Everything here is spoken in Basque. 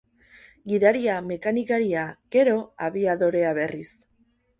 Gidaria, mekanikaria, gero, abiadorea berriz.